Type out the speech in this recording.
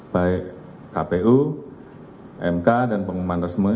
baik kpu mk dan pengumuman resmi